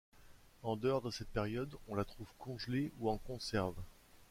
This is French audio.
En dehors de cette période, on la trouve congelée ou en conserve.